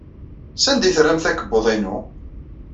Sanda ay terramt akebbuḍ-inu?